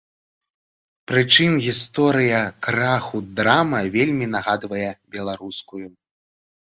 Прычым гісторыя краху драма вельмі нагадвае беларускую.